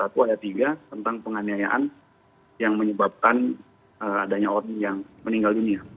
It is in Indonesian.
tiga ratus lima puluh satu ada tiga tentang penganiayaan yang menyebabkan adanya orang yang meninggal dunia